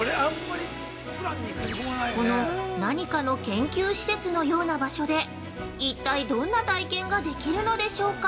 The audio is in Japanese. ◆この何かの研究施設のような場所で一体どんな体験ができるのでしょうか？